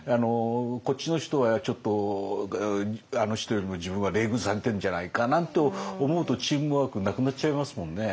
こっちの人はちょっとあの人よりも自分は冷遇されてるんじゃないかなんて思うとチームワークなくなっちゃいますもんね。